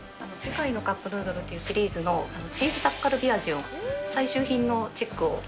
世界のカップヌードルっていうシリーズのチーズタッカルビ味を、最終品のチェックを。